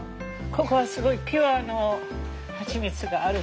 ここはすごいピュアのハチミツがあるって聞いて